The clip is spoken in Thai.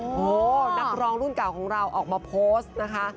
โอ้โหนักร้องรุ่นเก่าของเราออกมาโพสต์นะคะ